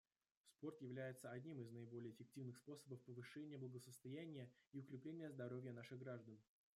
Спорт является одним из наиболее эффективных способов повышения благосостояния и укрепления здоровья наших граждан.